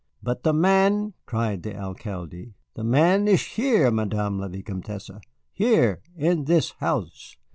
"But the man," cried the Alcalde, "the man is here, Madame la Vicomtesse, here, in this house!"